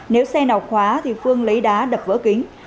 nếu xe nào khóa thì phương lấy đá đập vỡ kính